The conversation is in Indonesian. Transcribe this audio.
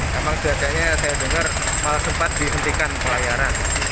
memang cuacanya saya dengar malah sempat dihentikan pelayaran